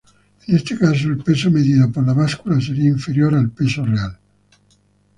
En este caso el peso medido por la báscula sería inferior al peso real.